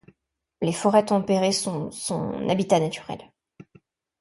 Les forêts tempérées sont son habitat naturel.